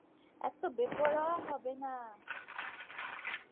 এত বেপরোয়া হবে না।